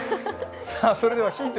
それではヒント